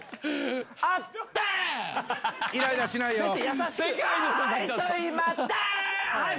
イライラしないよ。